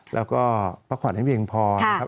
แล้วก็พักผ่อนให้เพียงพอนะครับ